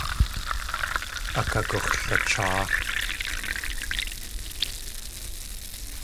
Akagux̲lacháa.